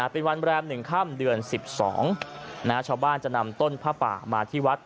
เป็นวันแรม๑ค่ำเดือน๑๒ชาวบ้านจะนำต้นผ้าป่ามาที่วัด